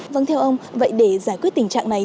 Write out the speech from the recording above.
vâng theo ông vậy để giải quyết tình trạng này